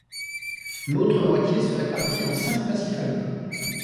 L'autre moitié se répartit en cinq massifs alpins.